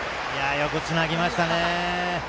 よくつなぎましたね。